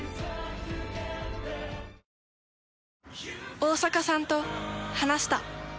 大坂さんと話した。